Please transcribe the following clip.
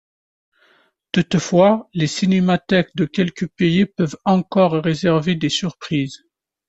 Toutefois les cinémathèques de quelques pays peuvent encore réserver des surprises.